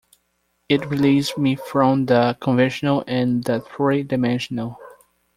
It released me from the conventional and the three-dimensional.